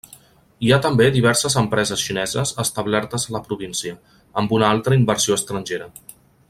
Hi ha també diverses empreses xineses establertes a la província, amb una altra inversió estrangera.